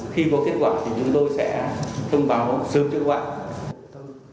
khi có kết quả thì chúng tôi sẽ thông báo sớm cho các bạn